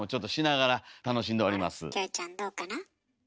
ほらキョエちゃんどうかな？